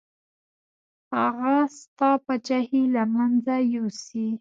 هغه ستا پاچاهي له منځه یوسي.